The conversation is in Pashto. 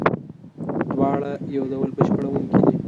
دواړه یو د بل بشپړوونکي دي.